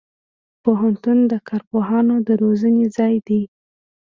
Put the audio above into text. پوهنتون د کارپوهانو د روزنې ځای دی.